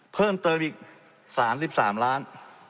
เพิ่มเติมอีกสามสิบสามล้าน